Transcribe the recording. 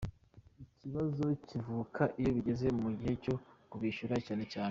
Ikibazo kivuka iyo bigeze mu gihe cyo kubishyuza cyane cyane.